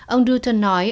ông dutton nói